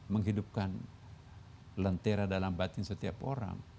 menghidupkan lentera dalam batin setiap orang